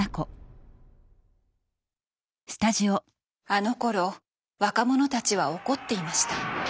あのころ若者たちは怒っていました。